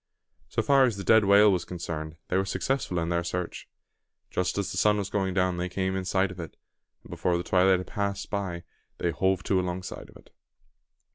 So far as the dead whale was concerned, they were successful in their search. Just as the sun was going down, they came in sight of it; and before the twilight had passed they "hove to" along side of it.